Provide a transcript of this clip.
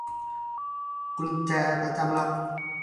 กุญแจประจำหลัก